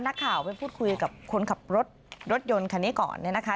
นักข่าวไปพูดคุยกับคนขับรถรถยนต์คันนี้ก่อนเนี่ยนะคะ